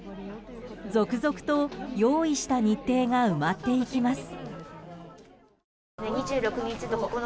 続々と用意した日程が埋まっていきます。